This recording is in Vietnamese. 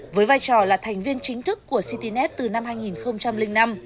với vai trò là thành viên chính thức của citynet từ năm hai nghìn năm